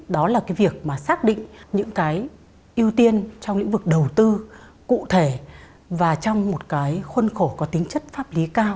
đó là việc xác định những ưu tiên trong lĩnh vực đầu tư cụ thể và trong một khuôn khổ có tính chất pháp lý cao